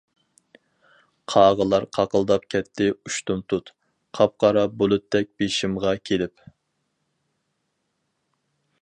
قاغىلار قاقىلداپ كەتتى ئۇشتۇمتۇت، قاپقارا بۇلۇتتەك بېشىمغا كېلىپ.